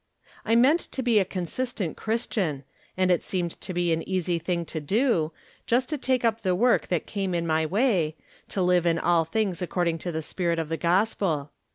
I meant to be a consistent Christian, and it seemed to be an easy thing to do — ^just to take up the work that came in my way — to live in all things according to the spirit of the gospel.